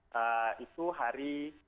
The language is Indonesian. nah itu hari